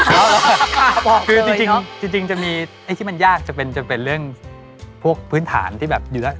คือจริงจะมีไอ้ที่มันยากจะเป็นเรื่องพวกพื้นฐานที่แบบเยอะ